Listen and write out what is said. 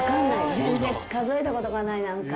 全然数えた事がないなんか。